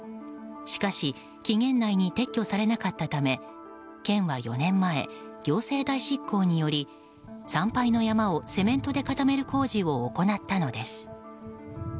しかし、期限内に撤去されなかったため県は４年前、行政代執行により産廃の山をセメントで固める工事を行ったのです。